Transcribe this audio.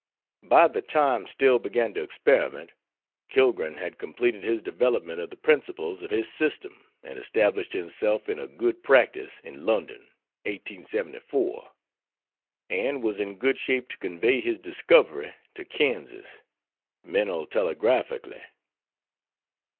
By the time Still began to experiment, Kellgren had completed his development of the principles of his system and established himself in a good practice in London 1874 and was in good shape to convey his discovery to Kansas, Mental Telegraphically.